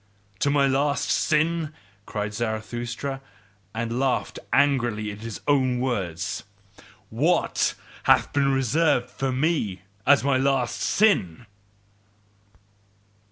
To my last sin?" cried Zarathustra, and laughed angrily at his own words: "WHAT hath been reserved for me as my last sin?"